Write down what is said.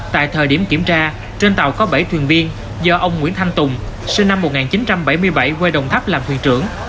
tại thời điểm kiểm tra trên tàu có bảy thuyền viên do ông nguyễn thanh tùng sinh năm một nghìn chín trăm bảy mươi bảy quê đồng tháp làm thuyền trưởng